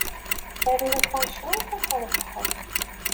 Rnu kan cwiṭ, ad trebḥeḍ.